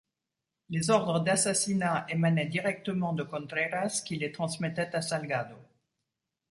Les ordres d'assassinat émanaient directement de Contreras qui les transmettaient à Salgado.